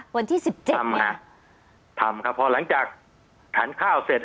วันที่สิบเจ็ดครับทำค่ะพอหลังจากถันข้าวเสร็จ